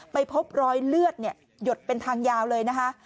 ไปพบรอยเลือดหยดเป็นทางยาวเลยนะคะ